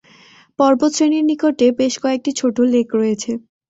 পর্বতশ্রেণীর নিকটে বেশ কয়েকটি ছোট লেক রয়েছে।